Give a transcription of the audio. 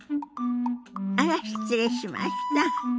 あら失礼しました。